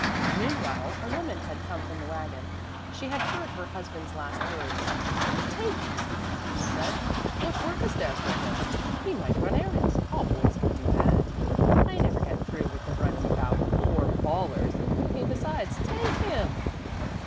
Meanwhile a woman had come from the wagon. She had heard her husband's last words. "Take him," she said. "What work is there for him? He might run errands; all boys can do that. I never get through with the running about and the four bawlers, and the cooking besides; take him!"